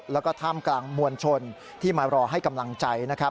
แล้วก็ท่ามกลางมวลชนที่มารอให้กำลังใจนะครับ